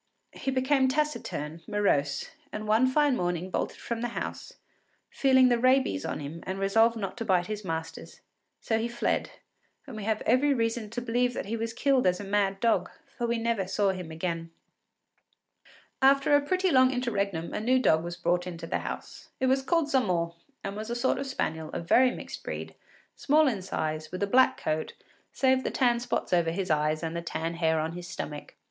He became taciturn, morose, and one fine morning bolted from the house, feeling the rabies on him and resolved not to bite his masters; so he fled, and we have every reason to believe that he was killed as a mad dog, for we never saw him again. After a pretty long interregnum a new dog was brought into the house. It was called Zamore, and was a sort of spaniel, of very mixed breed, small in size, with a black coat, save the tan spots over his eyes and the tan hair on his stomach.